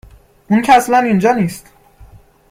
اون که اصلا اینجا نیست